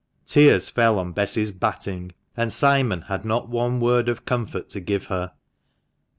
Tears fell on Bess's batting; and Simon had not one word of comfort to give her.